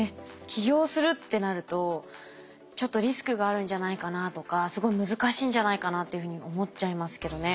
起業するってなるとちょっとリスクがあるんじゃないかなとかすごい難しいんじゃないかなっていうふうに思っちゃいますけどね。